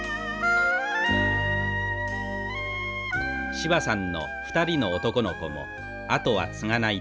芝さんの２人の男の子も跡は継がないといいます。